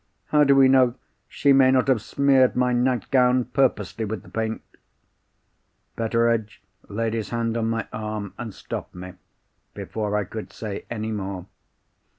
How do we know she may not have smeared my nightgown purposely with the paint?" Betteredge laid his hand on my arm, and stopped me before I could say any more.